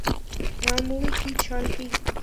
معمول کی چھانٹی